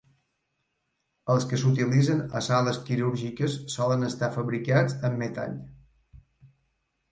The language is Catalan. Els que s"utilitzen a sales quirúrgiques solen estar fabricats amb metall.